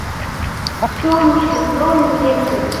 Сёмушкин толын лекте.